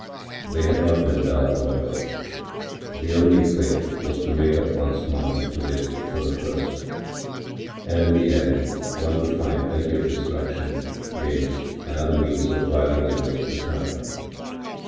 They had not been dull, however; the only thing was to make up one's mind to it from the first, and in the end one would find plenty of distraction, games and other means of whiling away the time.